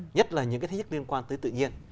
nhất là những cái thế giới liên quan tới tự nhiên